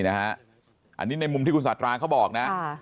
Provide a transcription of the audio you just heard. อันนี้ในมุมที่คุณสาธาราเขาบอกนะ